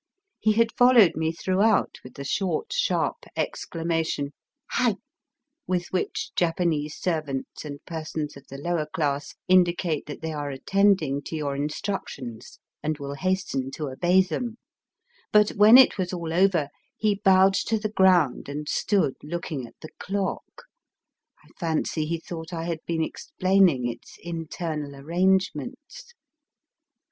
He had followed me throughout with the short, sharp exclama tion, Heih !" with which Japanese servants and persons of the lower class indicate that they are attending to your instructions and will hasten to obey them; but when it was all over he bowed to the ground and stood looking at the clock. I fancy he thought I had been explaining its internal arrangements.